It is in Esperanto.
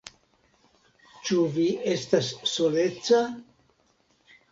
Ĉu vi estas soleca?